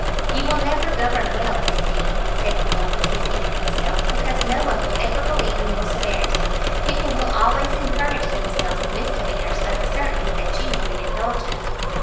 "You will never govern well, Miss Deane," said Philip, as he seated himself, "because no one will ever believe in your severity. People will always encourage themselves in misdemeanours by the certainty that you will be indulgent."